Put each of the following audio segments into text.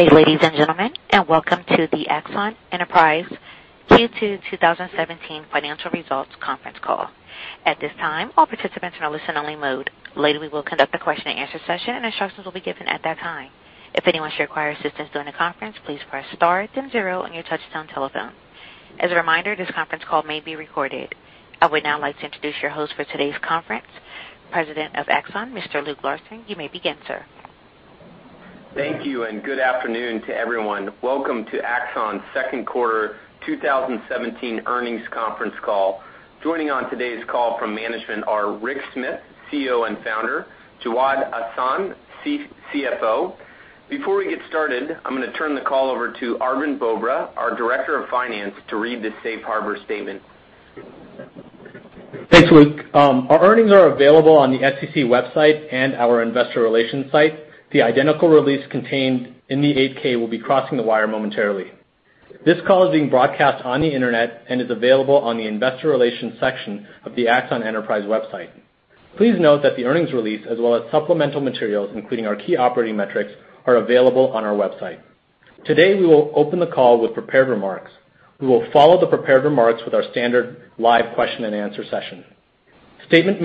Good day, ladies and gentlemen, and welcome to the Axon Enterprise Q2 2017 financial results conference call. At this time, all participants are in listen only mode. Later, we will conduct a question and answer session, and instructions will be given at that time. If anyone should require assistance during the conference, please press star then zero on your touchtone telephone. As a reminder, this conference call may be recorded. I would now like to introduce your host for today's conference, President of Axon, Mr. Luke Larson. You may begin, sir. Thank you, and good afternoon to everyone. Welcome to Axon's second quarter 2017 earnings conference call. Joining on today's call from management are Rick Smith, CEO and Founder, Jawad Ahsan, CFO. Before we get started, I'm going to turn the call over to Arvind Bobra, our Director of Finance, to read the safe harbor statement. Thanks, Luke. Our earnings are available on the SEC website and our investor relations site. The identical release contained in the 8-K will be crossing the wire momentarily. This call is being broadcast on the Internet and is available on the investor relations section of the Axon Enterprise website. Please note that the earnings release as well as supplemental materials, including our key operating metrics, are available on our website. Today, we will open the call with prepared remarks. We will follow the prepared remarks with our standard live question and answer session. Statements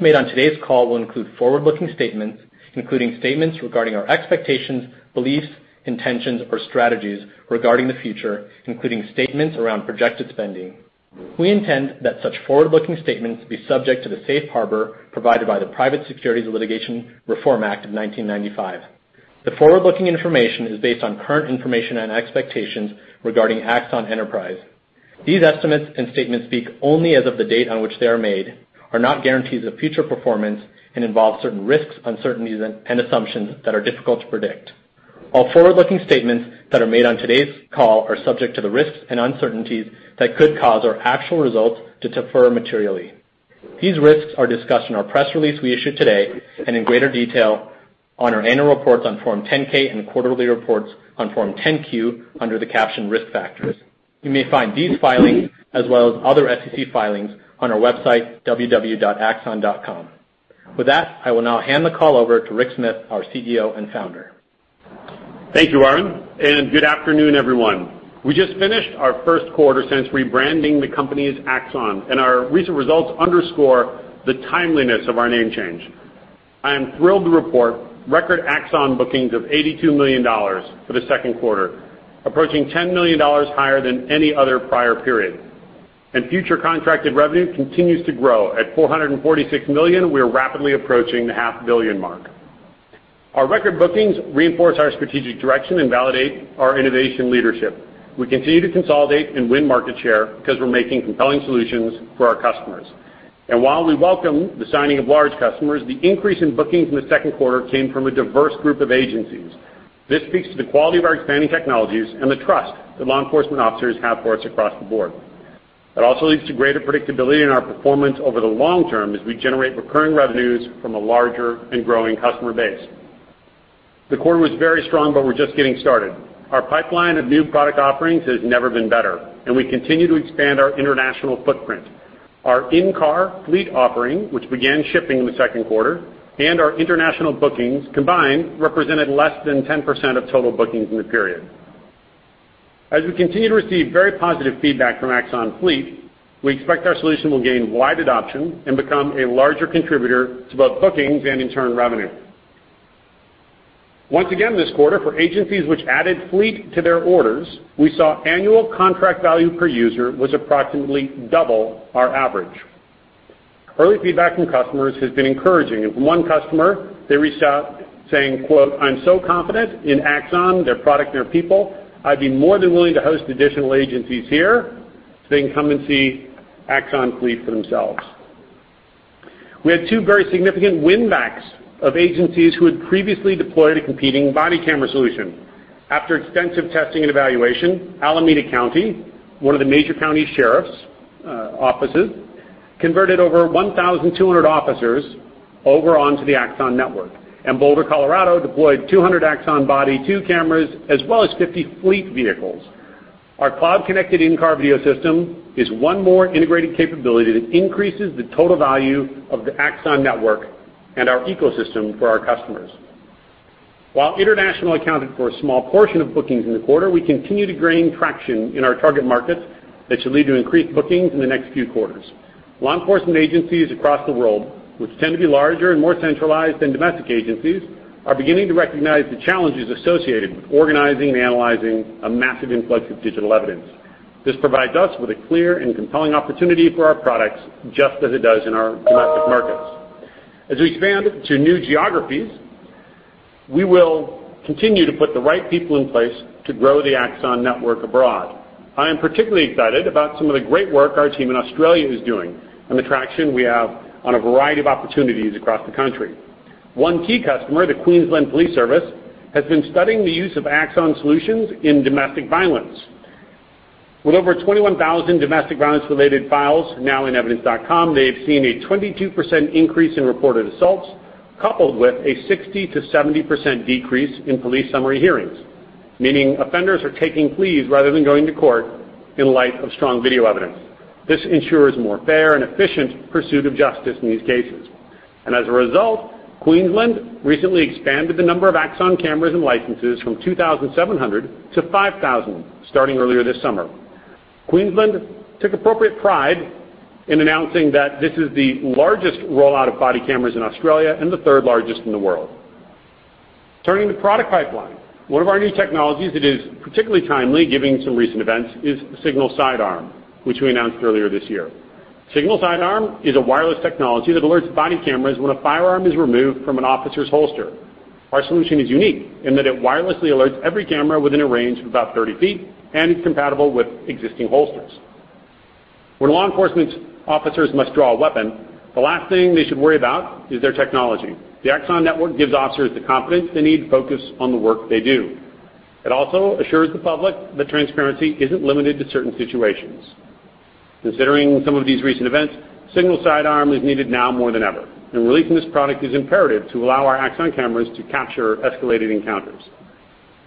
made on today's call will include forward-looking statements, including statements regarding our expectations, beliefs, intentions, or strategies regarding the future, including statements around projected spending. We intend that such forward-looking statements be subject to the safe harbor provided by the Private Securities Litigation Reform Act of 1995. The forward-looking information is based on current information and expectations regarding Axon Enterprise. These estimates and statements speak only as of the date on which they are made, are not guarantees of future performance, and involve certain risks, uncertainties, and assumptions that are difficult to predict. All forward-looking statements that are made on today's call are subject to the risks and uncertainties that could cause our actual results to differ materially. These risks are discussed in our press release we issued today and in greater detail on our annual reports on Form 10-K and quarterly reports on Form 10-Q under the caption Risk Factors. You may find these filings as well as other SEC filings on our website, www.axon.com. With that, I will now hand the call over to Rick Smith, our CEO and Founder. Thank you, Arvind, good afternoon, everyone. We just finished our first quarter since rebranding the company as Axon, our recent results underscore the timeliness of our name change. I am thrilled to report record Axon bookings of $82 million for the second quarter, approaching $10 million higher than any other prior period. Future contracted revenue continues to grow. At $446 million, we are rapidly approaching the half billion mark. Our record bookings reinforce our strategic direction and validate our innovation leadership. We continue to consolidate and win market share because we're making compelling solutions for our customers. While we welcome the signing of large customers, the increase in bookings in the second quarter came from a diverse group of agencies. This speaks to the quality of our expanding technologies and the trust that law enforcement officers have for us across the board. It also leads to greater predictability in our performance over the long term as we generate recurring revenues from a larger and growing customer base. The quarter was very strong, we're just getting started. Our pipeline of new product offerings has never been better, we continue to expand our international footprint. Our in-car fleet offering, which began shipping in the second quarter, our international bookings combined represented less than 10% of total bookings in the period. We continue to receive very positive feedback from Axon Fleet, we expect our solution will gain wide adoption and become a larger contributor to both bookings and in-turn revenue. Once again this quarter, for agencies which added fleet to their orders, we saw annual contract value per user was approximately double our average. Early feedback from customers has been encouraging, from one customer, they reached out saying, quote, "I'm so confident in Axon, their product, their people, I'd be more than willing to host additional agencies here so they can come and see Axon Fleet for themselves." We had two very significant win-backs of agencies who had previously deployed a competing body camera solution. After extensive testing and evaluation, Alameda County, one of the major county sheriff's offices, converted over 1,200 officers over onto the Axon network, Boulder, Colorado deployed 200 Axon Body 2 cameras, as well as 50 fleet vehicles. Our cloud-connected in-car video system is one more integrated capability that increases the total value of the Axon network and our ecosystem for our customers. While international accounted for a small portion of bookings in the quarter, we continue to gain traction in our target markets that should lead to increased bookings in the next few quarters. Law enforcement agencies across the world, which tend to be larger and more centralized than domestic agencies, are beginning to recognize the challenges associated with organizing and analyzing a massive influx of digital evidence. This provides us with a clear and compelling opportunity for our products, just as it does in our domestic markets. We expand to new geographies, we will continue to put the right people in place to grow the Axon network abroad. I am particularly excited about some of the great work our team in Australia is doing the traction we have on a variety of opportunities across the country. One key customer, the Queensland Police Service, has been studying the use of Axon solutions in domestic violence. With over 21,000 domestic violence-related files now in evidence.com, they have seen a 22% increase in reported assaults, coupled with a 60%-70% decrease in police summary hearings. Meaning offenders are taking pleas rather than going to court in light of strong video evidence. This ensures more fair and efficient pursuit of justice in these cases. As a result, Queensland recently expanded the number of Axon cameras and licenses from 2,700 to 5,000 starting earlier this summer. Queensland took appropriate pride in announcing that this is the largest rollout of body cameras in Australia and the third largest in the world. Turning to product pipeline, one of our new technologies that is particularly timely, given some recent events, is Signal Sidearm, which we announced earlier this year. Signal Sidearm is a wireless technology that alerts body cameras when a firearm is removed from an officer's holster. Our solution is unique in that it wirelessly alerts every camera within a range of about 30 feet and is compatible with existing holsters. When law enforcement officers must draw a weapon, the last thing they should worry about is their technology. The Axon network gives officers the confidence they need to focus on the work they do. It also assures the public that transparency isn't limited to certain situations. Considering some of these recent events, Signal Sidearm is needed now more than ever, and releasing this product is imperative to allow our Axon cameras to capture escalated encounters.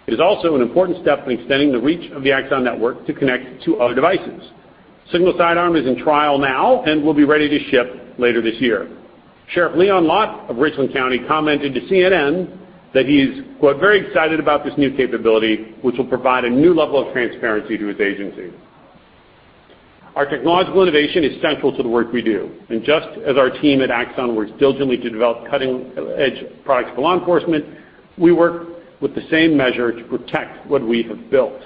It is also an important step in extending the reach of the Axon network to connect to other devices. Signal Sidearm is in trial now and will be ready to ship later this year. Sheriff Leon Lott of Richland County commented to CNN that he is, quote, "Very excited about this new capability, which will provide a new level of transparency to his agency." Our technological innovation is central to the work we do, and just as our team at Axon works diligently to develop cutting-edge products for law enforcement, we work with the same measure to protect what we have built.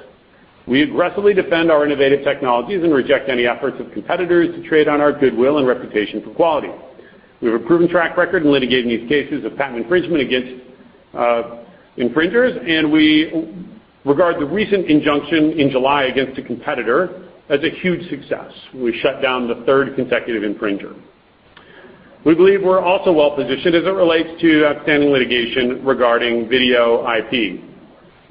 We aggressively defend our innovative technologies and reject any efforts of competitors to trade on our goodwill and reputation for quality. We have a proven track record in litigating these cases of patent infringement against infringers, and we regard the recent injunction in July against a competitor as a huge success. We shut down the third consecutive infringer. We believe we're also well-positioned as it relates to outstanding litigation regarding video IP.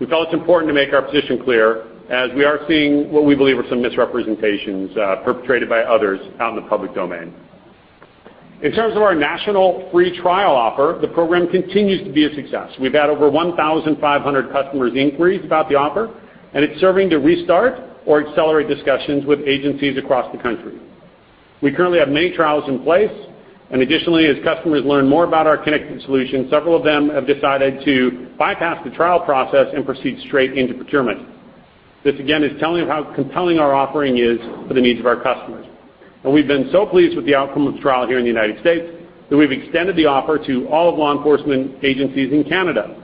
We felt it's important to make our position clear, as we are seeing what we believe are some misrepresentations perpetrated by others out in the public domain. In terms of our national free trial offer, the program continues to be a success. We've had over 1,500 customers inquiries about the offer, and it's serving to restart or accelerate discussions with agencies across the country. We currently have many trials in place, and additionally, as customers learn more about our connected solution, several of them have decided to bypass the trial process and proceed straight into procurement. This, again, is telling of how compelling our offering is for the needs of our customers. We've been so pleased with the outcome of the trial here in the U.S. that we've extended the offer to all law enforcement agencies in Canada.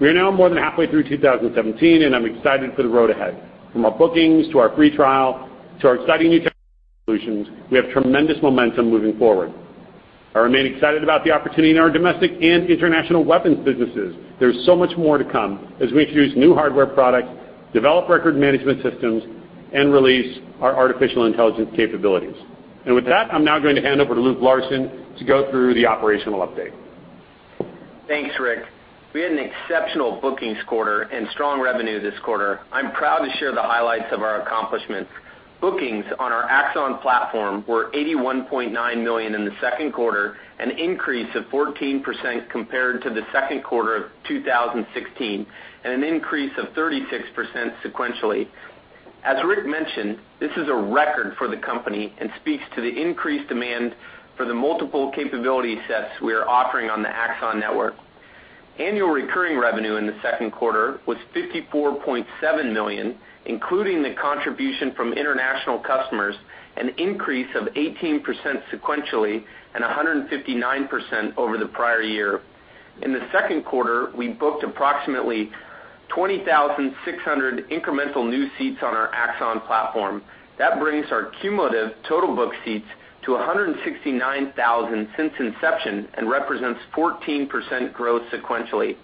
We are now more than halfway through 2017, I'm excited for the road ahead. From our bookings to our free trial to our exciting new technology solutions, we have tremendous momentum moving forward. I remain excited about the opportunity in our domestic and international weapons businesses. There's so much more to come as we introduce new hardware products, develop record management systems, and release our artificial intelligence capabilities. With that, I'm now going to hand over to Luke Larson to go through the operational update. Thanks, Rick. We had an exceptional bookings quarter and strong revenue this quarter. I'm proud to share the highlights of our accomplishments. Bookings on our Axon platform were $81.9 million in the second quarter, an increase of 14% compared to the second quarter of 2016, an increase of 36% sequentially. As Rick mentioned, this is a record for the company and speaks to the increased demand for the multiple capability sets we are offering on the Axon Network. Annual recurring revenue in the second quarter was $54.7 million, including the contribution from international customers, an increase of 18% sequentially and 159% over the prior year. In the second quarter, we booked approximately 20,600 incremental new seats on our Axon platform. That brings our cumulative total booked seats to 169,000 since inception and represents 14% growth sequentially.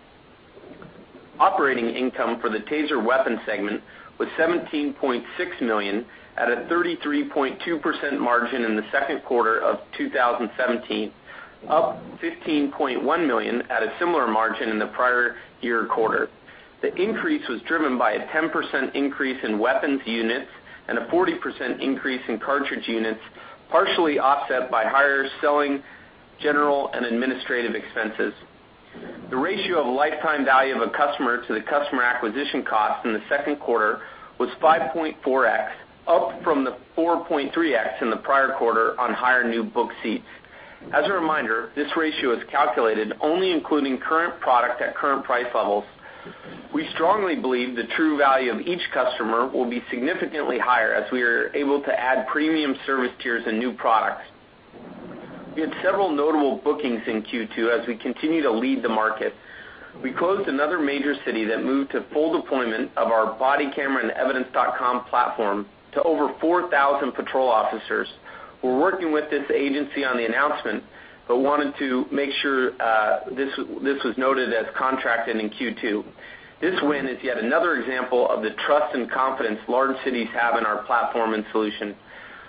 Operating income for the Taser weapons segment was $17.6 million at a 33.2% margin in the second quarter of 2017, up $15.1 million at a similar margin in the prior year quarter. The increase was driven by a 10% increase in weapons units and a 40% increase in cartridge units, partially offset by higher selling, general, and administrative expenses. The ratio of lifetime value of a customer to the customer acquisition cost in the second quarter was 5.4x, up from the 4.3x in the prior quarter on higher new booked seats. As a reminder, this ratio is calculated only including current product at current price levels. We strongly believe the true value of each customer will be significantly higher as we are able to add premium service tiers and new products. We had several notable bookings in Q2 as we continue to lead the market. We closed another major city that moved to full deployment of our body camera and evidence.com platform to over 4,000 patrol officers. We're working with this agency on the announcement but wanted to make sure this was noted as contracted in Q2. This win is yet another example of the trust and confidence large cities have in our platform and solution.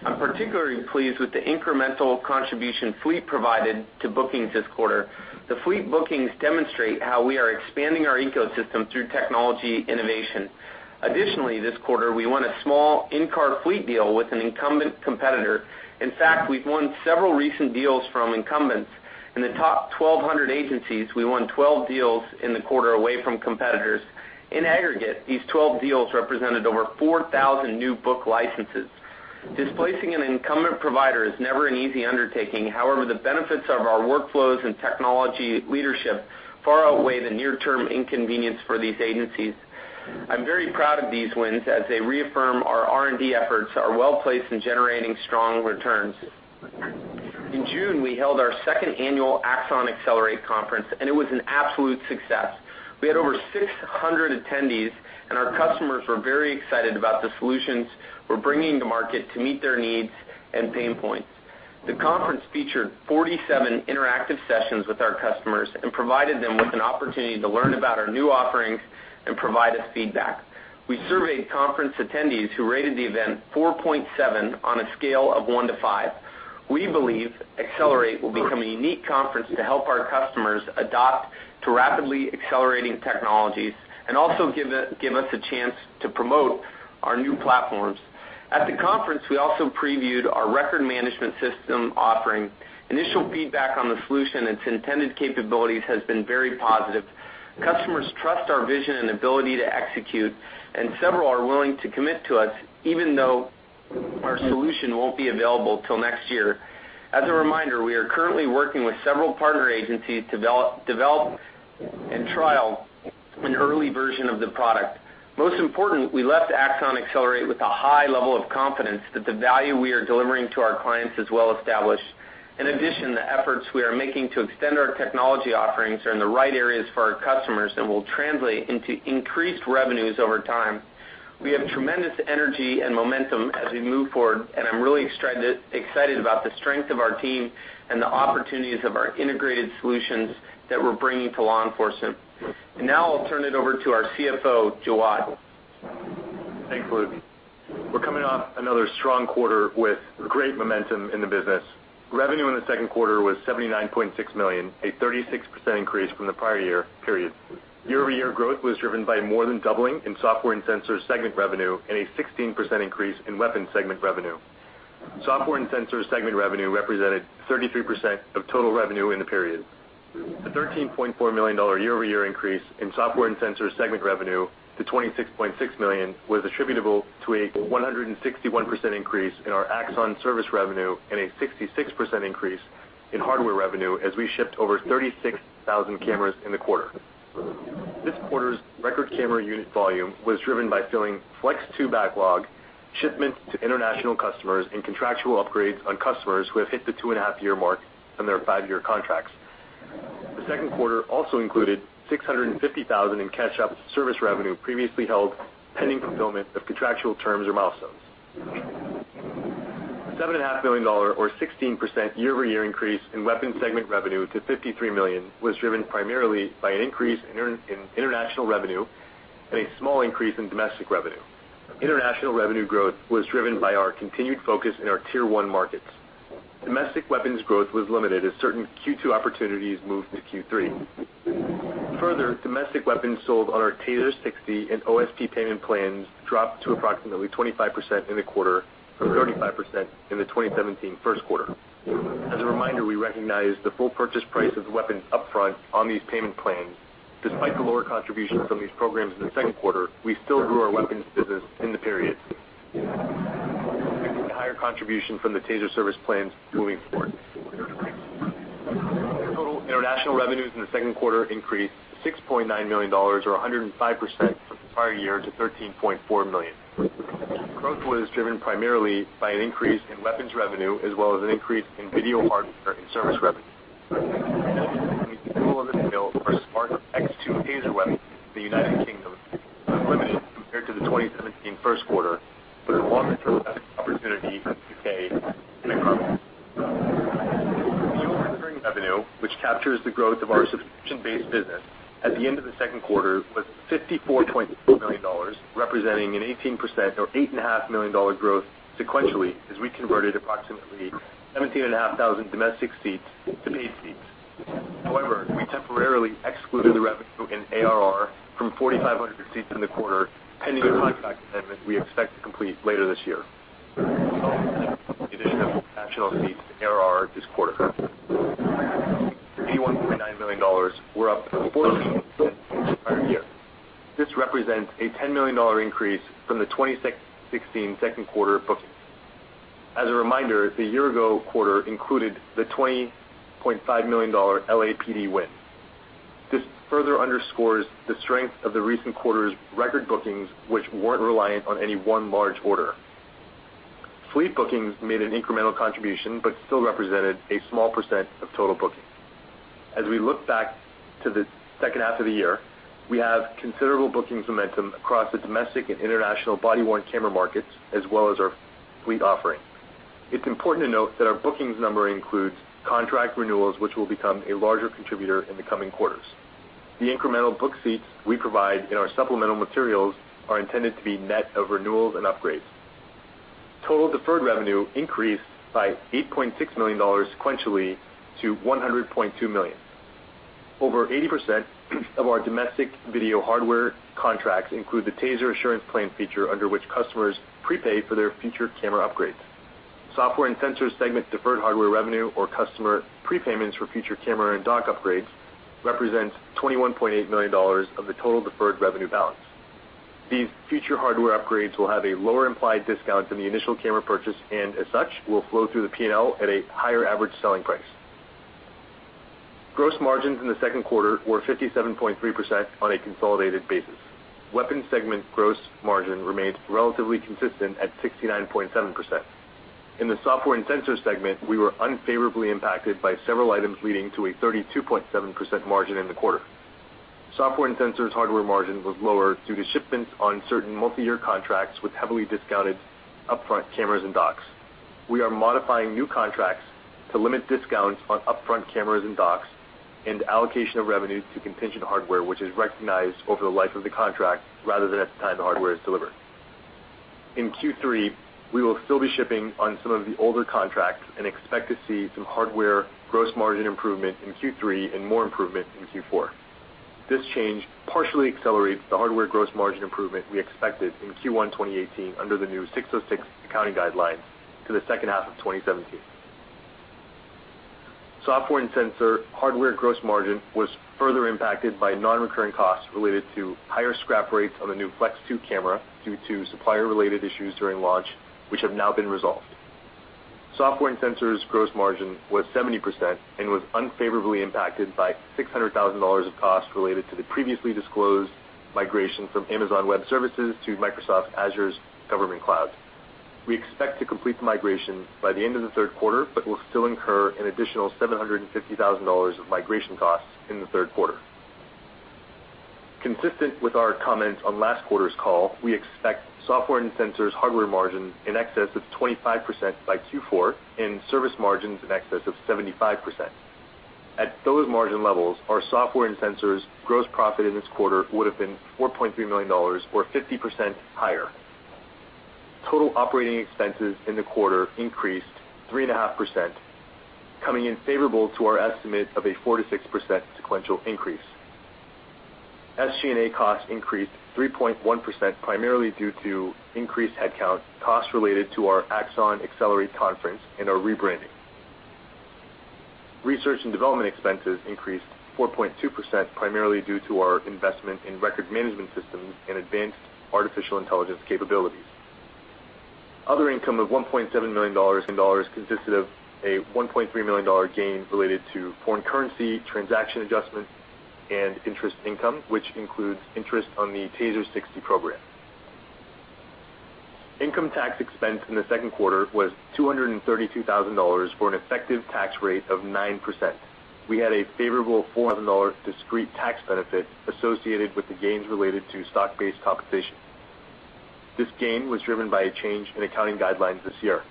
I'm particularly pleased with the incremental contribution Fleet provided to bookings this quarter. The Fleet bookings demonstrate how we are expanding our ecosystem through technology innovation. Additionally, this quarter, we won a small in-car Fleet deal with an incumbent competitor. In fact, we've won several recent deals from incumbents. In the top 1,200 agencies, we won 12 deals in the quarter away from competitors. In aggregate, these 12 deals represented over 4,000 new book licenses. Displacing an incumbent provider is never an easy undertaking. However, the benefits of our workflows and technology leadership far outweigh the near-term inconvenience for these agencies. I'm very proud of these wins as they reaffirm our R&D efforts are well-placed in generating strong returns. In June, we held our second annual Axon Accelerate Conference. It was an absolute success. We had over 600 attendees. Our customers were very excited about the solutions we're bringing to market to meet their needs and pain points. The conference featured 47 interactive sessions with our customers and provided them with an opportunity to learn about our new offerings and provide us feedback. We surveyed conference attendees who rated the event 4.7 on a scale of one to five. We believe Accelerate will become a unique conference to help our customers adapt to rapidly accelerating technologies and also give us a chance to promote our new platforms. At the conference, we also previewed our record management system offering. Initial feedback on the solution, its intended capabilities has been very positive. Customers trust our vision and ability to execute. Several are willing to commit to us, even though our solution won't be available till next year. As a reminder, we are currently working with several partner agencies to develop and trial an early version of the product. Most important, we left Axon Accelerate with a high level of confidence that the value we are delivering to our clients is well established. In addition, the efforts we are making to extend our technology offerings are in the right areas for our customers and will translate into increased revenues over time. We have tremendous energy and momentum as we move forward. I'm really excited about the strength of our team and the opportunities of our integrated solutions that we're bringing to law enforcement. Now I'll turn it over to our CFO, Jawad. Thanks, Luke. We're coming off another strong quarter with great momentum in the business. Revenue in the second quarter was $79.6 million, a 36% increase from the prior year period. Year-over-year growth was driven by more than doubling in software and sensor segment revenue and a 16% increase in weapons segment revenue. Software and sensor segment revenue represented 33% of total revenue in the period. The $13.4 million year-over-year increase in software and sensor segment revenue to $26.6 million was attributable to a 161% increase in our Axon service revenue and a 66% increase in hardware revenue as we shipped over 36,000 cameras in the quarter. This quarter's record camera unit volume was driven by filling Flex 2 backlog, shipments to international customers, and contractual upgrades on customers who have hit the two-and-a-half year mark on their five-year contracts. The second quarter also included $650,000 in catch-up service revenue previously held pending fulfillment of contractual terms or milestones. The $7.5 million, or 16% year-over-year increase in Weapons segment revenue to $53 million was driven primarily by an increase in international revenue and a small increase in domestic revenue. International revenue growth was driven by our continued focus in our Tier 1 markets. Domestic weapons growth was limited as certain Q2 opportunities moved to Q3. Further, domestic weapons sold on our TASER 60 and OSP payment plans dropped to approximately 25% in the quarter from 35% in the 2017 first quarter. As a reminder, we recognize the full purchase price of the weapons upfront on these payment plans. Despite the lower contributions from these programs in the second quarter, we still grew our weapons business in the period. A higher contribution from the Taser Assurance Plans moving forward. Total international revenues in the second quarter increased to $6.9 million, or 105% from the prior year to $13.4 million. Growth was driven primarily by an increase in weapons revenue as well as an increase in video hardware and service revenue. The fulfillment of bills for TASER X2 weapons in the United Kingdom was limited compared to the 2017 first quarter, but is a long-term growth opportunity as the U.K. The ongoing revenue, which captures the growth of our subscription-based business at the end of the second quarter, was $54.4 million, representing an 18%, or $8.5 million, growth sequentially as we converted approximately 17,500 domestic seats to paid seats. However, we temporarily excluded the revenue in ARR from 4,500 seats in the quarter pending a contract amendment we expect to complete later this year. In addition to national seats ARR this quarter. $81.9 million, we're up 14% from the prior year. This represents a $10 million increase from the 2016 second quarter bookings. As a reminder, the year-ago quarter included the $20.5 million LAPD win. This further underscores the strength of the recent quarter's record bookings, which weren't reliant on any one large order. Fleet bookings made an incremental contribution, but still represented a small % of total bookings. As we look back to the second half of the year, we have considerable bookings momentum across the domestic and international body-worn camera markets, as well as our fleet offerings. It's important to note that our bookings number includes contract renewals, which will become a larger contributor in the coming quarters. The incremental book seats we provide in our supplemental materials are intended to be net of renewals and upgrades. Total deferred revenue increased by $8.6 million sequentially to $100.2 million. Over 80% of our domestic video hardware contracts include the Taser Assurance Plan feature, under which customers prepay for their future camera upgrades. Software and Sensors segment deferred hardware revenue or customer prepayments for future camera and dock upgrades represent $21.8 million of the total deferred revenue balance. These future hardware upgrades will have a lower implied discount than the initial camera purchase, and as such, will flow through the P&L at a higher average selling price. Gross margins in the second quarter were 57.3% on a consolidated basis. Weapons segment gross margin remains relatively consistent at 69.7%. In the Software and Sensors segment, we were unfavorably impacted by several items, leading to a 32.7% margin in the quarter. Software and Sensors hardware margin was lower due to shipments on certain multi-year contracts with heavily discounted upfront cameras and docks. We are modifying new contracts to limit discounts on upfront cameras and docks and allocation of revenues to contingent hardware, which is recognized over the life of the contract rather than at the time the hardware is delivered. In Q3, we will still be shipping on some of the older contracts and expect to see some hardware gross margin improvement in Q3 and more improvement in Q4. This change partially accelerates the hardware gross margin improvement we expected in Q1 2018 under the new ASC 606 accounting guidelines to the second half of 2017. Software and Sensor hardware gross margin was further impacted by non-recurring costs related to higher scrap rates on the new Axon Flex 2 camera due to supplier-related issues during launch, which have now been resolved. Software and Sensors gross margin was 70% and was unfavorably impacted by $600,000 of costs related to the previously disclosed migration from Amazon Web Services to Microsoft Azure's government cloud. We expect to complete the migration by the end of the third quarter, we will still incur an additional $750,000 of migration costs in the third quarter. Consistent with our comments on last quarter's call, we expect Software and Sensors hardware margin in excess of 25% by Q4 and service margins in excess of 75%. At those margin levels, our Software and Sensors gross profit in this quarter would have been $4.3 million or 50% higher. Total operating expenses in the quarter increased 3.5%, coming in favorable to our estimate of a 4%-6% sequential increase. SG&A costs increased 3.1%, primarily due to increased headcount costs related to our Axon Accelerate conference and our rebranding. Research and development expenses increased 4.2%, primarily due to our investment in record management systems and advanced artificial intelligence capabilities. Other income of $1.7 million consisted of a $1.3 million gain related to foreign currency transaction adjustments and interest income, which includes interest on the TASER 60 program. Income tax expense in the second quarter was $232,000, for an effective tax rate of 9%. We had a favorable $400,000 discrete tax benefit associated with the gains related to stock-based compensation. This gain was driven by a change in accounting guidelines this year.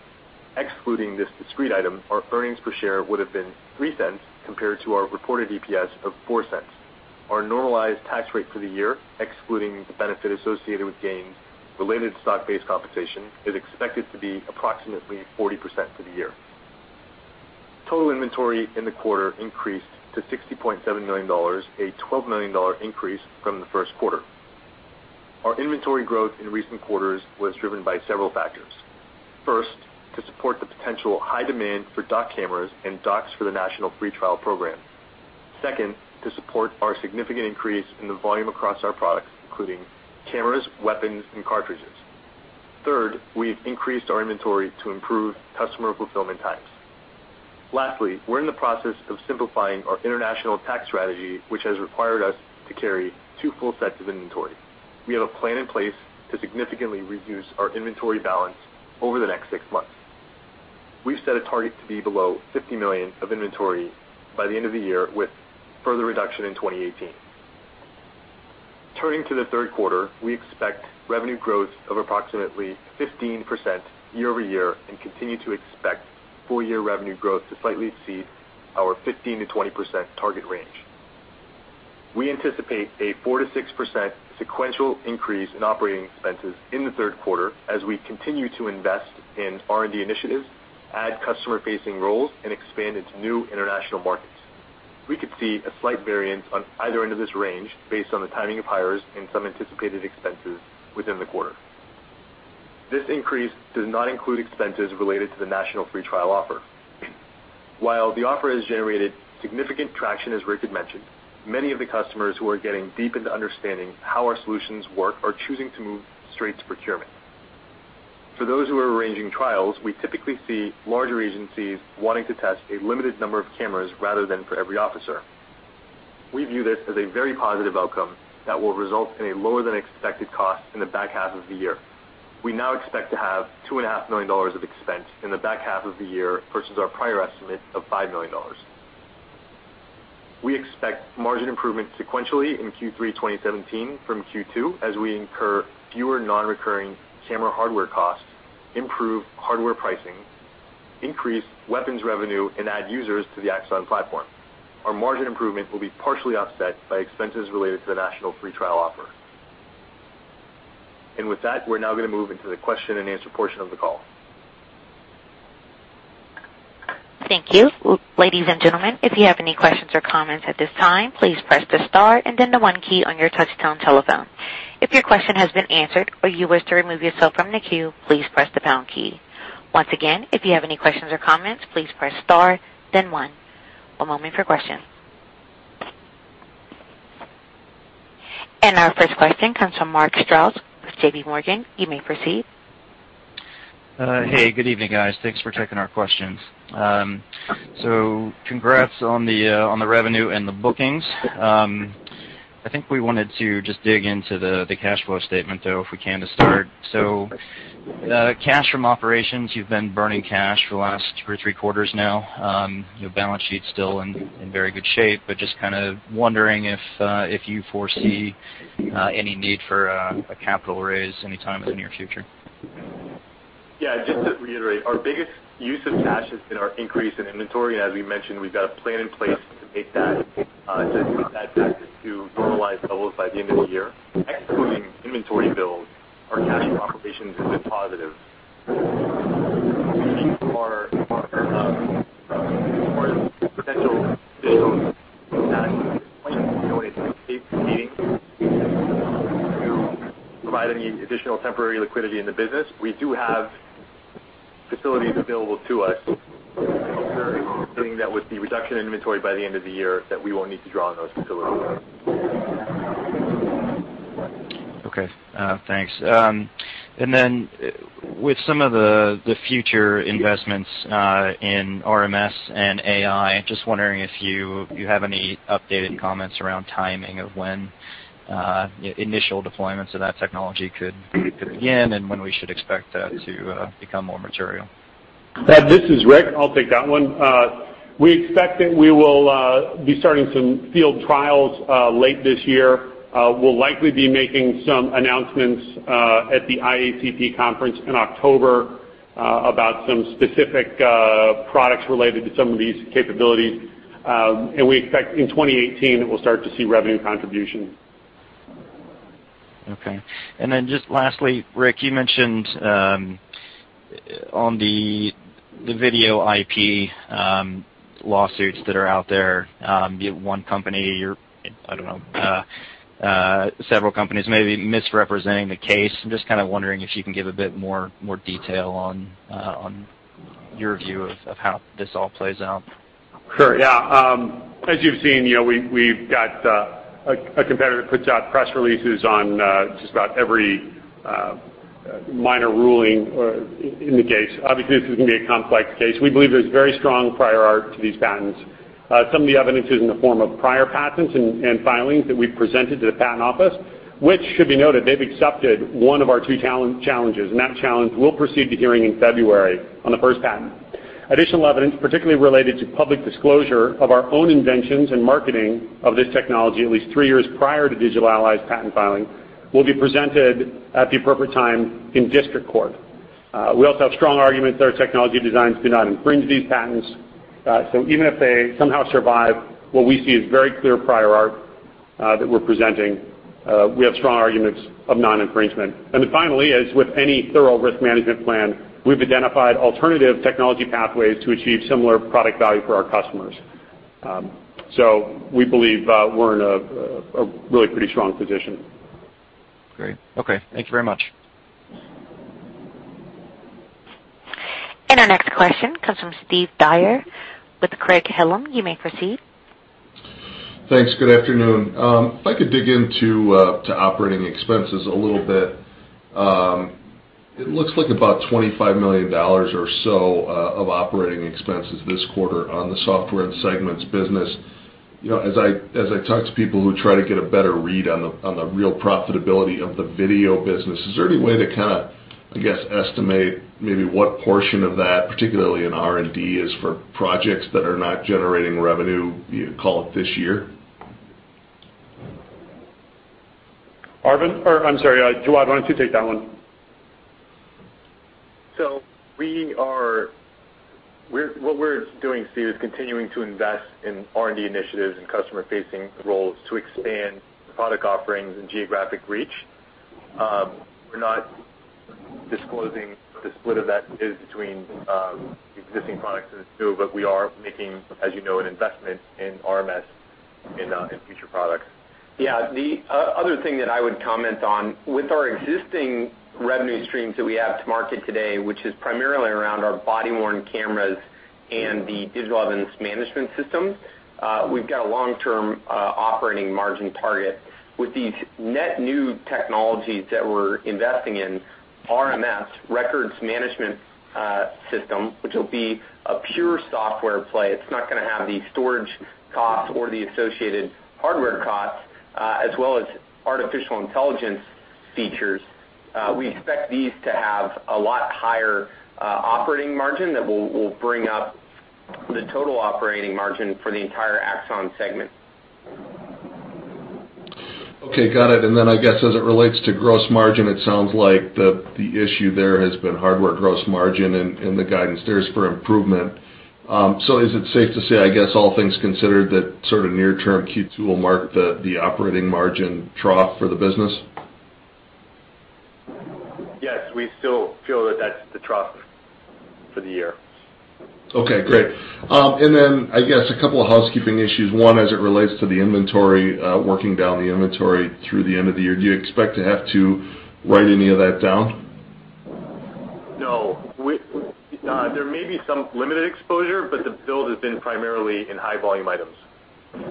Excluding this discrete item, our earnings per share would have been $0.03 compared to our reported EPS of $0.04. Our normalized tax rate for the year, excluding the benefit associated with gains related to stock-based compensation, is expected to be approximately 40% for the year. Total inventory in the quarter increased to $60.7 million, a $12 million increase from the first quarter. Our inventory growth in recent quarters was driven by several factors. First, to support the potential high demand for dock cameras and docks for the national free trial program. Second, to support our significant increase in the volume across our products, including cameras, weapons, and cartridges. Third, we've increased our inventory to improve customer fulfillment times. Lastly, we're in the process of simplifying our international tax strategy, which has required us to carry two full sets of inventory. We have a plan in place to significantly reduce our inventory balance over the next six months. We've set a target to be below $50 million of inventory by the end of the year, with further reduction in 2018. Turning to the third quarter, we expect revenue growth of approximately 15% year over year and continue to expect full-year revenue growth to slightly exceed our 15%-20% target range. We anticipate a 4%-6% sequential increase in operating expenses in the third quarter as we continue to invest in R&D initiatives, add customer-facing roles, and expand into new international markets. We could see a slight variance on either end of this range based on the timing of hires and some anticipated expenses within the quarter. This increase does not include expenses related to the national free trial offer. While the offer has generated significant traction, as Rick had mentioned, many of the customers who are getting deep into understanding how our solutions work are choosing to move straight to procurement. For those who are arranging trials, we typically see larger agencies wanting to test a limited number of cameras rather than for every officer. We view this as a very positive outcome that will result in a lower-than-expected cost in the back half of the year. We now expect to have $2.5 million of expense in the back half of the year versus our prior estimate of $5 million. We expect margin improvement sequentially in Q3 2017 from Q2 as we incur fewer non-recurring camera hardware costs, improve hardware pricing, increase weapons revenue and add users to the Axon platform. Our margin improvement will be partially offset by expenses related to the national free trial offer. With that, we're now going to move into the question and answer portion of the call. Thank you. Ladies and gentlemen, if you have any questions or comments at this time, please press the star and then the one key on your touchtone telephone. If your question has been answered or you wish to remove yourself from the queue, please press the pound key. Once again, if you have any questions or comments, please press star then one. One moment for questions. Our first question comes from Mark Stroud with JPMorgan. You may proceed. Hey, good evening, guys. Thanks for taking our questions. Congrats on the revenue and the bookings. I think we wanted to just dig into the cash flow statement, though, if we can to start. Cash from operations, you've been burning cash for the last two or three quarters now. Your balance sheet's still in very good shape, but just kind of wondering if you foresee any need for a capital raise anytime in the near future. Just to reiterate, our biggest use of cash has been our increase in inventory. As we mentioned, we've got a plan in place to take that to normalize levels by the end of the year. Excluding inventory build, our cash from operations is a positive. Our potential additional cash at this point, anyway, it's to provide any additional temporary liquidity in the business. We do have facilities available to us, that with the reduction in inventory by the end of the year, that we won't need to draw on those facilities. Okay, thanks. With some of the future investments in RMS and AI, just wondering if you have any updated comments around timing of when initial deployments of that technology could begin, and when we should expect that to become more material. This is Rick. I'll take that one. We expect that we will be starting some field trials late this year. We'll likely be making some announcements at the IACP conference in October about some specific products related to some of these capabilities. We expect in 2018, we'll start to see revenue contribution. Okay. Just lastly, Rick, you mentioned on the video IP lawsuits that are out there, you have one company or, I don't know, several companies maybe misrepresenting the case. I'm just kind of wondering if you can give a bit more detail on your view of how this all plays out. Sure. Yeah. As you've seen, we've got a competitor that puts out press releases on just about every minor ruling in the case. Obviously, this is going to be a complex case. We believe there's very strong prior art to these patents. Some of the evidence is in the form of prior patents and filings that we've presented to the patent office, which should be noted, they've accepted one of our two challenges, and that challenge will proceed to hearing in February on the first patent. Additional evidence, particularly related to public disclosure of our own inventions and marketing of this technology at least three years prior to Digital Ally's patent filing, will be presented at the appropriate time in district court. We also have strong arguments that our technology designs do not infringe these patents. Even if they somehow survive what we see as very clear prior art that we're presenting, we have strong arguments of non-infringement. Then finally, as with any thorough risk management plan, we've identified alternative technology pathways to achieve similar product value for our customers. We believe we're in a really pretty strong position. Great. Okay. Thank you very much. Our next question comes from Steve Dyer with Craig-Hallum. You may proceed. Thanks. Good afternoon. If I could dig into operating expenses a little bit. It looks like about $25 million or so of operating expenses this quarter on the software and segments business. As I talk to people who try to get a better read on the real profitability of the video business, is there any way to kind of, I guess, estimate maybe what portion of that, particularly in R&D, is for projects that are not generating revenue, you call it this year? Arvind, or I'm sorry, Jawad, why don't you take that one? What we're doing, Steve, is continuing to invest in R&D initiatives and customer-facing roles to expand product offerings and geographic reach. We're not disclosing what the split of that is between existing products and new, but we are making, as you know, an investment in RMS in future products. Yeah. The other thing that I would comment on, with our existing revenue streams that we have to market today, which is primarily around our body-worn cameras and the digital evidence management systems, we've got a long-term operating margin target. With these net new technologies that we're investing in, RMS, records management system, which will be a pure software play, it's not going to have the storage costs or the associated hardware costs, as well as artificial intelligence features. We expect these to have a lot higher operating margin that will bring up the total operating margin for the entire Axon segment. Okay, got it. I guess as it relates to gross margin, it sounds like the issue there has been hardware gross margin and the guidance there is for improvement. Is it safe to say, I guess all things considered, that sort of near term Q2 will mark the operating margin trough for the business? Yes, we still feel that that's the trough for the year. Okay, great. I guess a couple of housekeeping issues. One, as it relates to the inventory, working down the inventory through the end of the year. Do you expect to have to write any of that down? No. There may be some limited exposure, but the build has been primarily in high volume items. Lastly,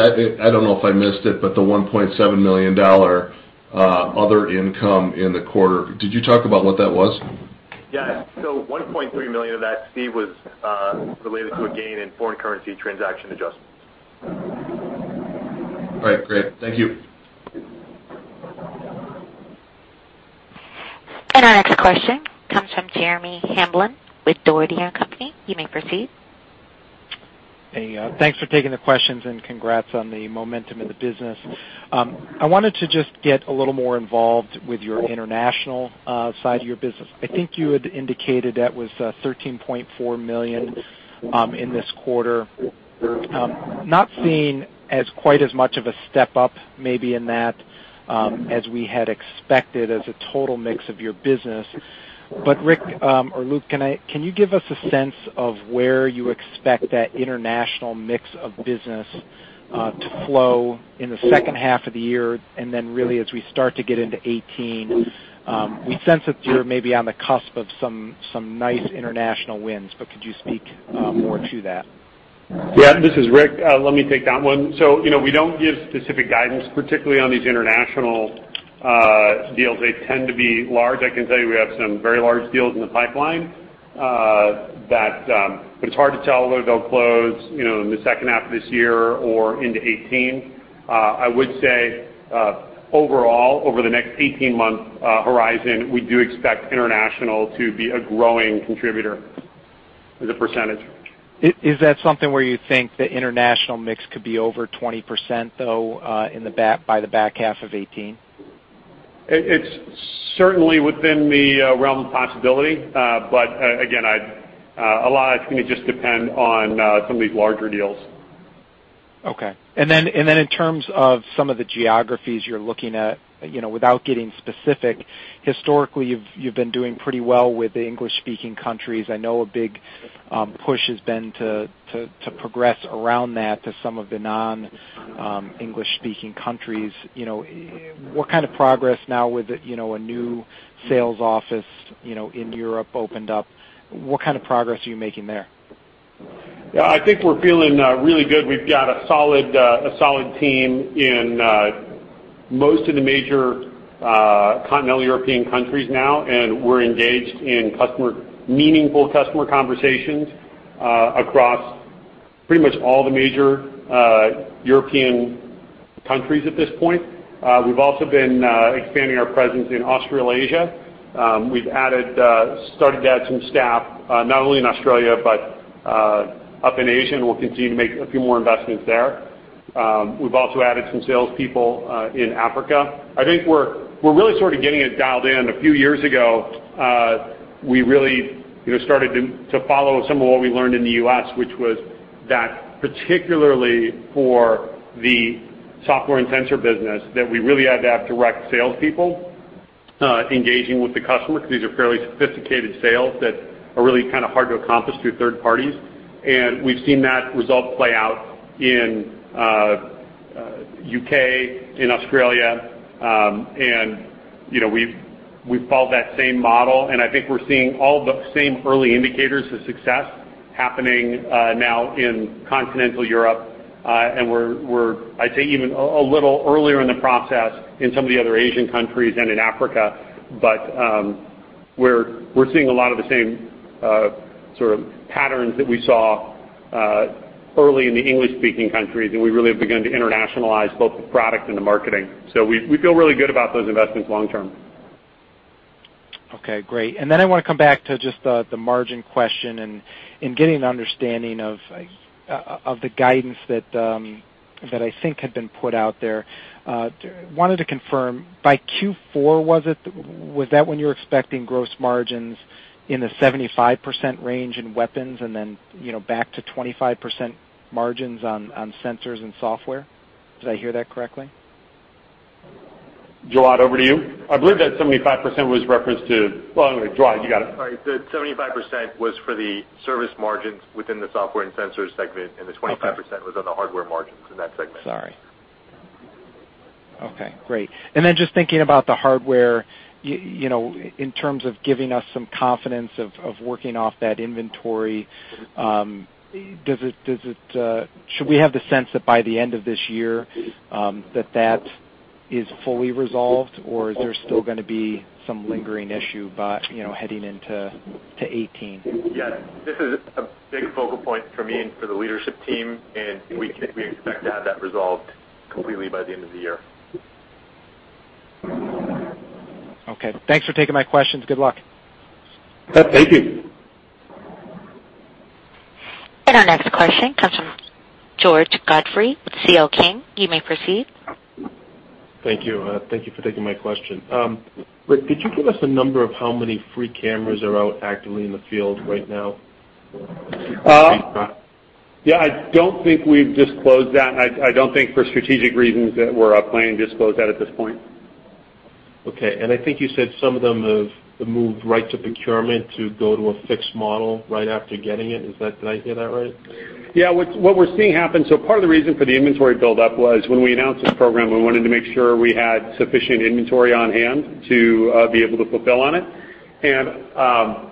I don't know if I missed it, but the $1.7 million other income in the quarter, did you talk about what that was? Yes. $1.3 million of that, Steve, was related to a gain in foreign currency transaction adjustments. All right, great. Thank you. Our next question comes from Jeremy Hamblin with Dougherty & Company. You may proceed. Thanks for taking the questions and congrats on the momentum in the business. I wanted to just get a little more involved with your international side of your business. I think you had indicated that was $13.4 million in this quarter. Not seen as quite as much of a step up maybe in that as we had expected as a total mix of your business. Rick, or Luke, can you give us a sense of where you expect that international mix of business to flow in the second half of the year, and then really as we start to get into 2018? We sense that you're maybe on the cusp of some nice international wins, could you speak more to that? This is Rick. Let me take that one. We don't give specific guidance, particularly on these international deals. They tend to be large. I can tell you we have some very large deals in the pipeline, it's hard to tell whether they'll close in the second half of this year or into 2018. I would say, overall, over the next 18-month horizon, we do expect international to be a growing contributor as a percentage. Is that something where you think the international mix could be over 20%, though, by the back half of 2018? It's certainly within the realm of possibility. Again, a lot of it's going to just depend on some of these larger deals. Okay. In terms of some of the geographies you're looking at, without getting specific, historically, you've been doing pretty well with the English-speaking countries. I know a big push has been to progress around that to some of the non-English speaking countries. What kind of progress now with a new sales office in Europe opened up, what kind of progress are you making there? Yeah, I think we're feeling really good. We've got a solid team in most of the major continental European countries now, and we're engaged in meaningful customer conversations across pretty much all the major European countries at this point. We've also been expanding our presence in Australasia. We've started to add some staff, not only in Australia, but up in Asia, and we'll continue to make a few more investments there. We've also added some salespeople in Africa. I think we're really sort of getting it dialed in. A few years ago, we really started to follow some of what we learned in the U.S., which was that particularly for the software and sensor business, that we really had to have direct salespeople engaging with the customer because these are fairly sophisticated sales that are really kind of hard to accomplish through third parties. We've seen that result play out in U.K., in Australia. We've followed that same model, and I think we're seeing all the same early indicators of success happening now in continental Europe. We're I'd say even a little earlier in the process in some of the other Asian countries and in Africa. We're seeing a lot of the same sort of patterns that we saw early in the English-speaking countries, and we really have begun to internationalize both the product and the marketing. We feel really good about those investments long term. Okay, great. I want to come back to just the margin question and getting an understanding of the guidance that I think had been put out there. Wanted to confirm, by Q4 was it? Was that when you're expecting gross margins in the 75% range in weapons and then back to 25% margins on sensors and software? Did I hear that correctly? Jawad, over to you. I believe that 75% was referenced to. Well, anyway, Jawad, you got it. Sorry. The 75% was for the service margins within the software and sensors segment, the 25% was on the hardware margins in that segment. Sorry. Okay, great. Then just thinking about the hardware, in terms of giving us some confidence of working off that inventory, should we have the sense that by the end of this year that that is fully resolved, or is there still going to be some lingering issue heading into 2018? Yes. This is a big focal point for me and for the leadership team, we expect to have that resolved completely by the end of the year. Okay. Thanks for taking my questions. Good luck. Thank you. Our next question comes from George Godfrey with C.L. King. You may proceed. Thank you. Thank you for taking my question. Rick, could you give us a number of how many free cameras are out actively in the field right now? I don't think we've disclosed that. I don't think for strategic reasons that we're planning to disclose that at this point. Okay. I think you said some of them have moved right to procurement to go to a fixed model right after getting it. Did I hear that right? What we're seeing happen, so part of the reason for the inventory buildup was when we announced this program, we wanted to make sure we had sufficient inventory on hand to be able to fulfill on it.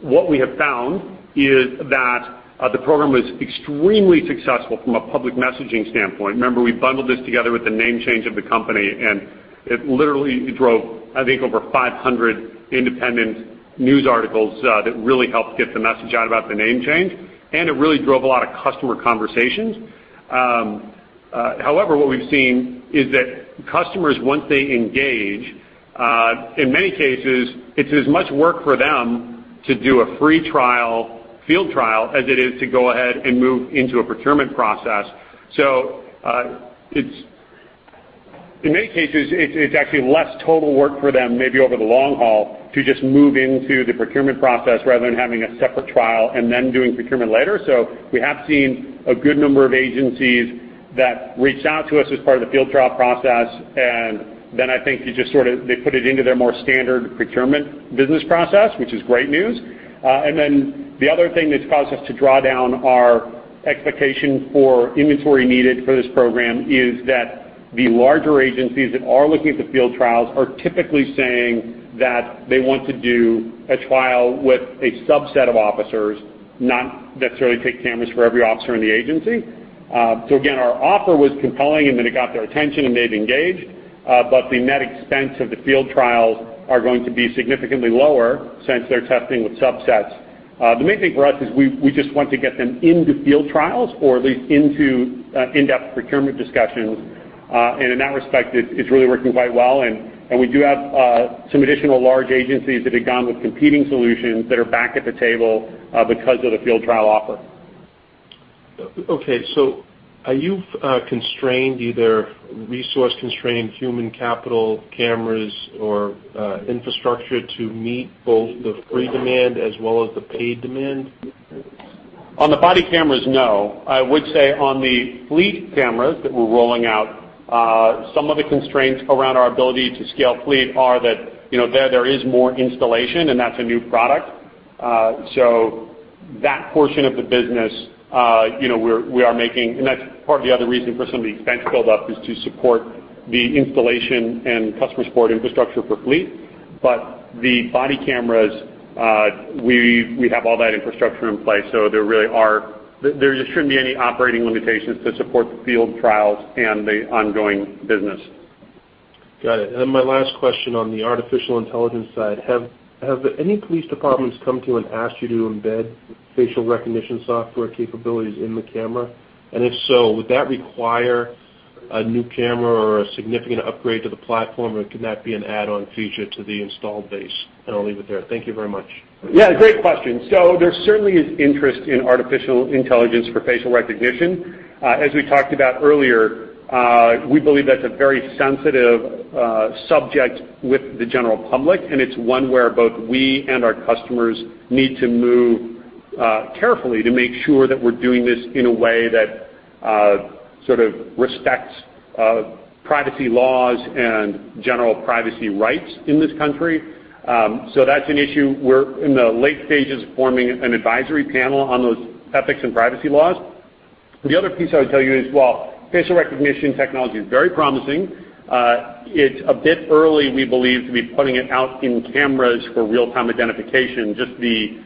What we have found is that the program was extremely successful from a public messaging standpoint. Remember, we bundled this together with the name change of the company, and it literally drove, I think, over 500 independent news articles that really helped get the message out about the name change, and it really drove a lot of customer conversations. However, what we've seen is that customers, once they engage, in many cases, it's as much work for them to do a free trial, field trial, as it is to go ahead and move into a procurement process. In many cases, it's actually less total work for them, maybe over the long haul, to just move into the procurement process rather than having a separate trial and then doing procurement later. We have seen a good number of agencies that reached out to us as part of the field trial process, and then I think they put it into their more standard procurement business process, which is great news. The other thing that's caused us to draw down our expectation for inventory needed for this program is that the larger agencies that are looking at the field trials are typically saying that they want to do a trial with a subset of officers, not necessarily take cameras for every officer in the agency. Again, our offer was compelling, and then it got their attention and they've engaged. The net expense of the field trials are going to be significantly lower since they're testing with subsets. The main thing for us is we just want to get them into field trials or at least into in-depth procurement discussions. In that respect, it's really working quite well. We do have some additional large agencies that had gone with competing solutions that are back at the table, because of the field trial offer. Are you constrained, either resource-constrained, human capital, cameras, or infrastructure to meet both the free demand as well as the paid demand? On the body cameras, no. I would say on the fleet cameras that we're rolling out, some of the constraints around our ability to scale fleet are that there is more installation, and that's a new product. That portion of the business, we are making, and that's part of the other reason for some of the expense build-up is to support the installation and customer support infrastructure for fleet. The body cameras, we have all that infrastructure in place, so there just shouldn't be any operating limitations to support the field trials and the ongoing business. My last question on the artificial intelligence side, have any police departments come to you and asked you to embed facial recognition software capabilities in the camera? If so, would that require a new camera or a significant upgrade to the platform, or can that be an add-on feature to the installed base? I'll leave it there. Thank you very much. Great question. There certainly is interest in artificial intelligence for facial recognition. As we talked about earlier, we believe that's a very sensitive subject with the general public, and it's one where both we and our customers need to move carefully to make sure that we're doing this in a way that sort of respects privacy laws and general privacy rights in this country. That's an issue. We're in the late stages of forming an advisory panel on those ethics and privacy laws. The other piece I would tell you is while facial recognition technology is very promising, it's a bit early, we believe, to be putting it out in cameras for real-time identification. Just the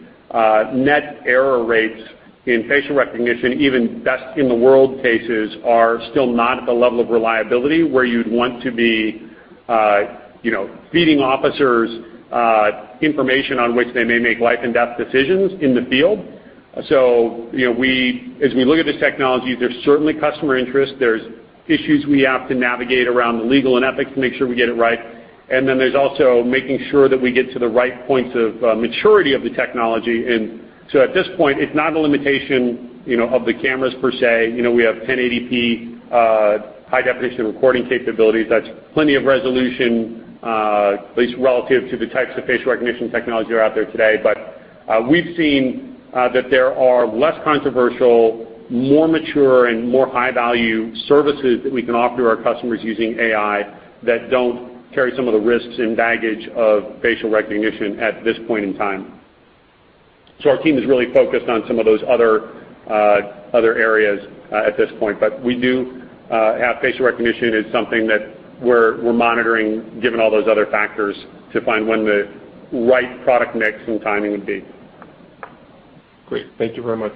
net error rates in facial recognition, even best-in-the-world cases, are still not at the level of reliability where you'd want to be feeding officers information on which they may make life-and-death decisions in the field. As we look at this technology, there's certainly customer interest. There's issues we have to navigate around the legal and ethics to make sure we get it right. There's also making sure that we get to the right points of maturity of the technology. At this point, it's not a limitation of the cameras per se. We have 1080p high-definition recording capabilities. That's plenty of resolution, at least relative to the types of facial recognition technology that are out there today. We've seen that there are less controversial, more mature, and more high-value services that we can offer to our customers using AI that don't carry some of the risks and baggage of facial recognition at this point in time. Our team is really focused on some of those other areas at this point. We do have facial recognition as something that we're monitoring, given all those other factors, to find when the right product mix and timing would be. Great. Thank you very much.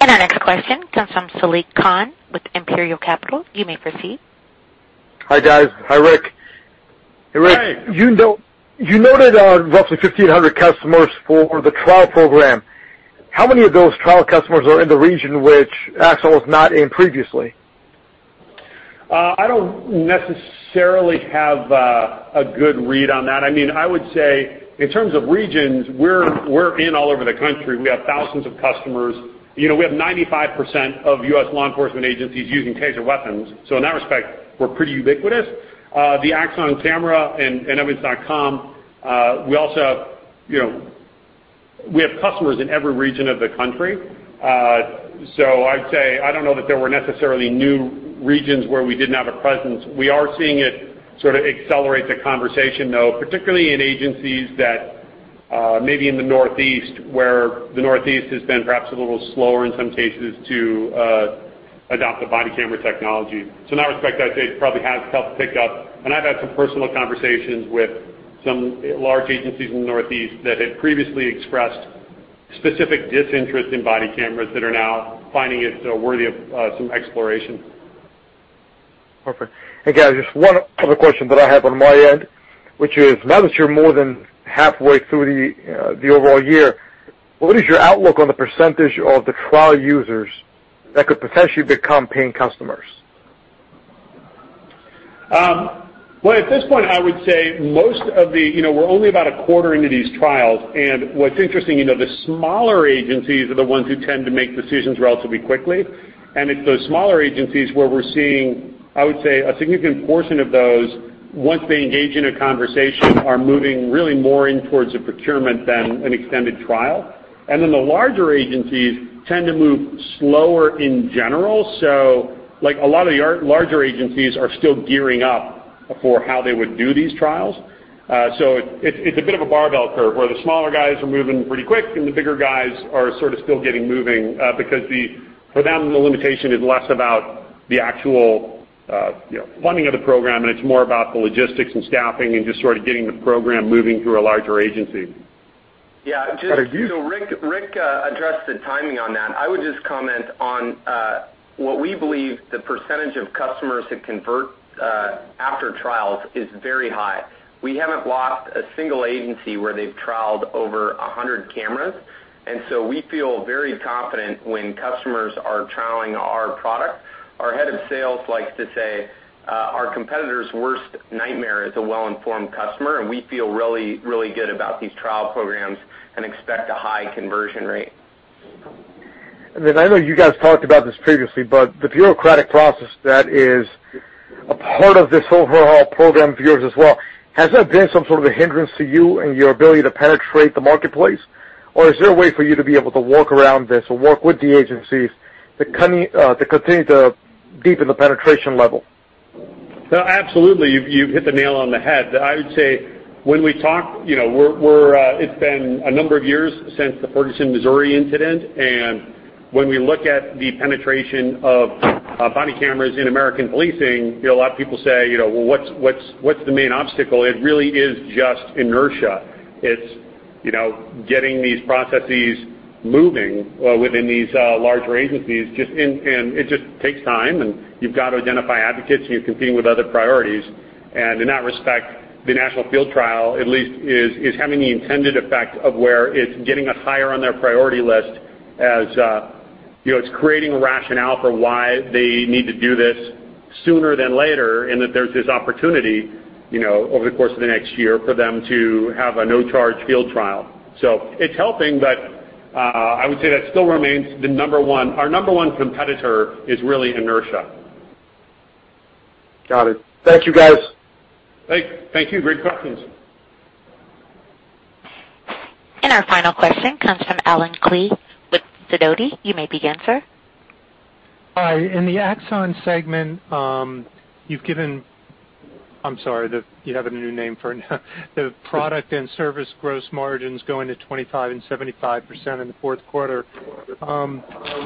Our next question comes from Saliq Khan with Imperial Capital. You may proceed. Hi, guys. Hi, Rick. Hey, Rick. You noted on roughly 1,500 customers for the trial program. How many of those trial customers are in the region which Axon was not in previously? I don't necessarily have a good read on that. I would say in terms of regions, we're in all over the country. We have thousands of customers. We have 95% of U.S. law enforcement agencies using Taser weapons, so in that respect, we're pretty ubiquitous. The Axon camera and evidence.com, we have customers in every region of the country. I'd say, I don't know that there were necessarily new regions where we didn't have a presence. We are seeing it sort of accelerate the conversation, though, particularly in agencies that may be in the Northeast, where the Northeast has been perhaps a little slower in some cases to adopt the body camera technology. In that respect, I'd say it probably has helped pick up, I've had some personal conversations with some large agencies in the Northeast that had previously expressed specific disinterest in body cameras that are now finding it worthy of some exploration. Perfect. Guys, just one other question that I have on my end, which is, now that you're more than halfway through the overall year, what is your outlook on the % of the trial users that could potentially become paying customers? At this point, I would say we're only about a quarter into these trials, what's interesting, the smaller agencies are the ones who tend to make decisions relatively quickly. It's those smaller agencies where we're seeing, I would say, a significant portion of those, once they engage in a conversation, are moving really more in towards a procurement than an extended trial. The larger agencies tend to move slower in general. A lot of the larger agencies are still gearing up for how they would do these trials. It's a bit of a barbell curve where the smaller guys are moving pretty quick and the bigger guys are sort of still getting moving, because for them, the limitation is less about the actual funding of the program, and it's more about the logistics and staffing and just sort of getting the program moving through a larger agency. Yeah. Rick addressed the timing on that. I would just comment on what we believe the percentage of customers that convert after trials is very high. We haven't lost a single agency where they've trialed over 100 cameras, we feel very confident when customers are trialing our product. Our head of sales likes to say, our competitor's worst nightmare is a well-informed customer, we feel really good about these trial programs and expect a high conversion rate. I know you guys talked about this previously, the bureaucratic process that is a part of this overall program of yours as well, has that been some sort of a hindrance to you and your ability to penetrate the marketplace? Is there a way for you to be able to work around this or work with the agencies to continue to deepen the penetration level? No, absolutely. You've hit the nail on the head. I would say it's been a number of years since the Ferguson, Missouri incident, when we look at the penetration of body cameras in American policing, a lot of people say, "Well, what's the main obstacle?" It really is just inertia. It's getting these processes moving within these larger agencies. It just takes time, you've got to identify advocates, you're competing with other priorities. In that respect, the National Field Trial at least is having the intended effect of where it's getting us higher on their priority list as it's creating a rationale for why they need to do this sooner than later, that there's this opportunity over the course of the next year for them to have a no-charge field trial. It's helping, I would say that still remains the number one. Our number one competitor is really inertia. Got it. Thank you, guys. Thank you. Great questions. Our final question comes from Allen Klee with Sidoti & Company. You may begin, sir. Hi. In the Axon segment, I'm sorry, you have a new name for it now. The product and service gross margins going to 25% and 75% in the fourth quarter. How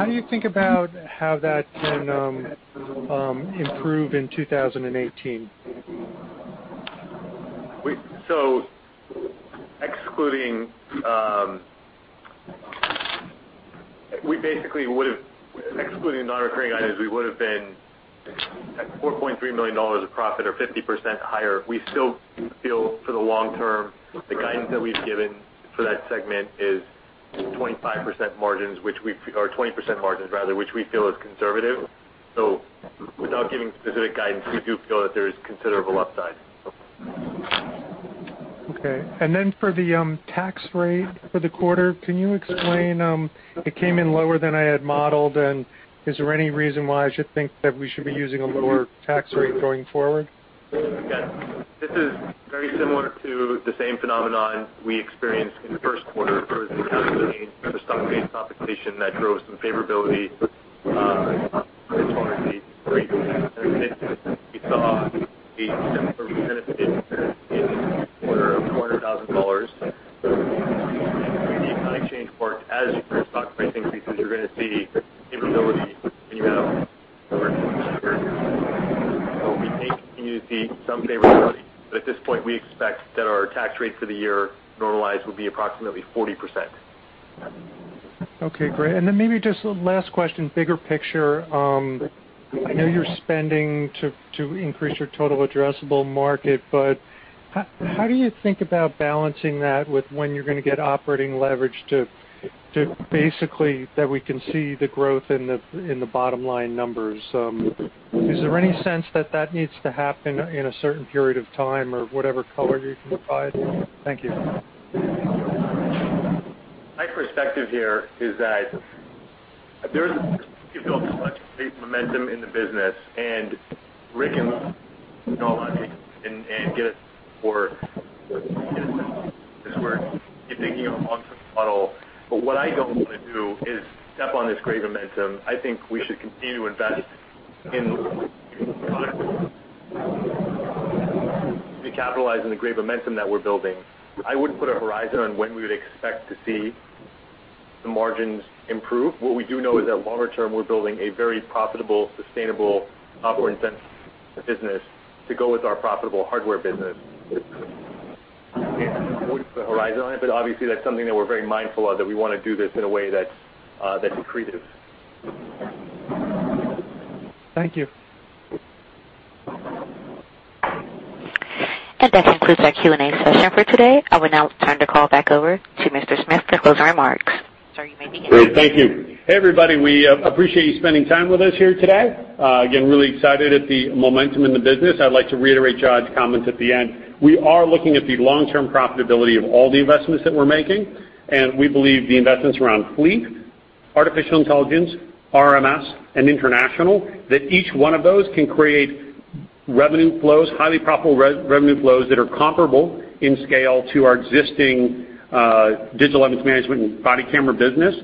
do you think about how that can improve in 2018? Excluding non-recurring items, we would've been at $4.3 million of profit or 50% higher. We still feel, for the long term, the guidance that we've given for that segment is 20% margins, which we feel is conservative. Without giving specific guidance, we do feel that there is considerable upside. For the tax rate for the quarter, can you explain, it came in lower than I had modeled, and is there any reason why I should think that we should be using a lower tax rate going forward? Again, this is very similar to the same phenomenon we experienced in the first quarter versus the change in the stock-based compensation that drove some favorability in Q1 of the previous year. We saw a benefit in the quarter of $400,000. As stock pricing increases, you're going to see favorability. We may continue to see some favorability, but at this point, we expect that our tax rate for the year normalized will be approximately 40%. Maybe just a last question, bigger picture. I know you're spending to increase your total addressable market, but how do you think about balancing that with when you're going to get operating leverage to basically see the growth in the bottom line numbers? Is there any sense that needs to happen in a certain period of time or whatever color you can provide? Thank you. My perspective here is that there's built a great momentum in the business, and [Rick and get us] long-term model. What I don't want to do is step on this great momentum. I think we should continue to invest in capitalizing the great momentum that we're building. I wouldn't put a horizon on when we would expect to see the margins improve. What we do know is that longer term, we're building a very profitable, sustainable, software-intensive business to go with our profitable hardware business. Put a horizon on it, obviously, that's something that we're very mindful of, that we want to do this in a way that's accretive. Thank you. That concludes our Q&A session for today. I will now turn the call back over to Mr. Smith to close remarks. Sir, you may begin. Great. Thank you. Hey, everybody. We appreciate you spending time with us here today. Again, really excited at the momentum in the business. I'd like to reiterate George's comments at the end. We are looking at the long-term profitability of all the investments that we're making, and we believe the investments around fleet, artificial intelligence, RMS, and international, that each one of those can create highly profitable revenue flows that are comparable in scale to our existing digital evidence management and body camera business.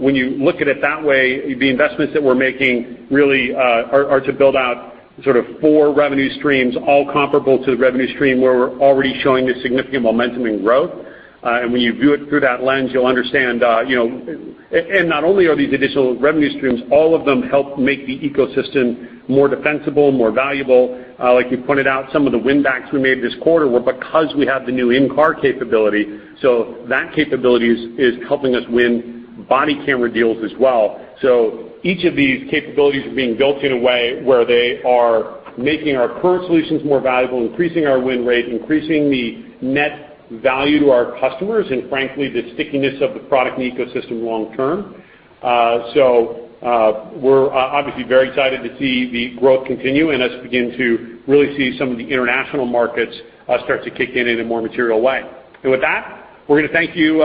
When you look at it that way, the investments that we're making really are to build out sort of four revenue streams, all comparable to the revenue stream where we're already showing the significant momentum and growth. When you view it through that lens, you'll understand, not only are these additional revenue streams, all of them help make the ecosystem more defensible, more valuable. Like you pointed out, some of the win backs we made this quarter were because we have the new in-car capability, that capability is helping us win body camera deals as well. Each of these capabilities are being built in a way where they are making our current solutions more valuable, increasing our win rate, increasing the net value to our customers, and frankly, the stickiness of the product and ecosystem long term. We're obviously very excited to see the growth continue and us begin to really see some of the international markets start to kick in in a more material way. With that, we're going to thank you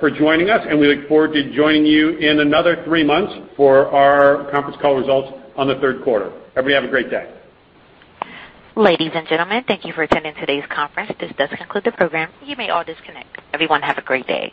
for joining us, and we look forward to joining you in another three months for our conference call results on the third quarter. Everybody, have a great day. Ladies and gentlemen, thank you for attending today's conference. This does conclude the program. You may all disconnect. Everyone, have a great day.